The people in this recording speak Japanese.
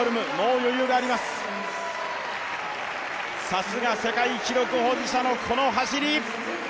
さすが世界記録保持者のこの走り。